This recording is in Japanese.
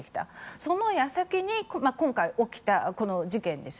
その矢先に今回、起きた事件です。